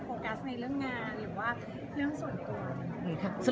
กัสในเรื่องงานหรือว่าเรื่องส่วนตัว